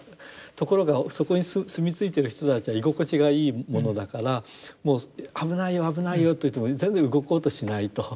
ところがそこに住み着いてる人たちは居心地がいいものだからもう危ないよ危ないよと言っても全然動こうとしないと。